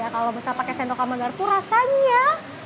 kalau bisa pakai sentokan mangar rasanya